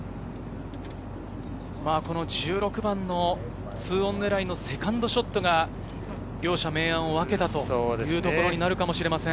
１６番の２オン狙いのセカンドショットが、両者、明暗を分けたというところになるかもしれません。